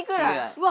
うわ！